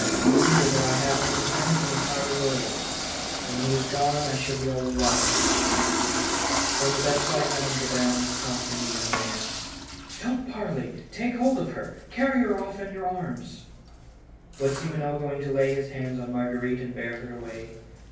Remember that I have only him in the world, and when he is gone I shall be all alone !" From the bedside Madame Gabin was prompting the young man. " Don't parley — take hold of her — carry her off in your arms." Was Simoneau going to lay his hands on Marguerite and bear her away